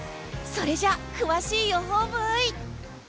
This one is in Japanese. それじゃ詳しい予報ブイ！